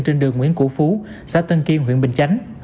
trên đường nguyễn củ phú xã tân kiên huyện bình chánh